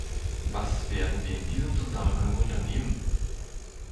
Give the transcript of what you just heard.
Was werden wir in diesem Zusammenhang unternehmen?